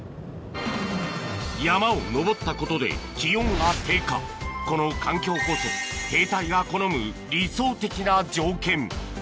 山を登ったことでこの環境こそ兵隊が好む理想的な条件